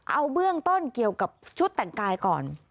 เอาเบื้องต้นเกี่ยวกับชุดแต่งกายก่อน